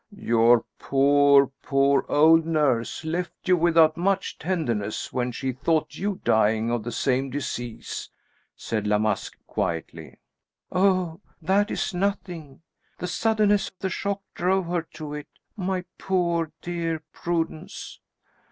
"Your poor, poor old nurse left you without much tenderness when she thought you dying of the same disease," said La Masque, quietly. "Oh, that is nothing. The suddenness, the shock drove her to it. My poor, dear Prudence."